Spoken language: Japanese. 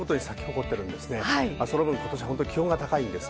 その分、今年は気温が高いです。